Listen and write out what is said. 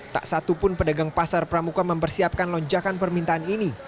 tak satupun pedagang pasar pramuka mempersiapkan lonjakan permintaan ini